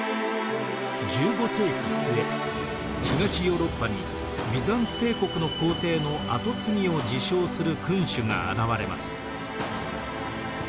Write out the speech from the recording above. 東ヨーロッパにビザンツ帝国の皇帝の後継ぎを自称する君主が現れます。